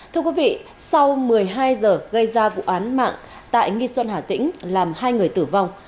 thưa quý vị sau một mươi hai giờ gây ra vụ án mạng tại nghi xuân hà tĩnh làm hai người tử vong